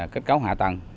kết cấu hạ tầng